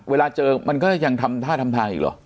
เวลาเจอมันก็ยังทำท่าทำทางอีกเหรอ